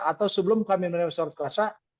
atau sebelum kami menerima surat kuasa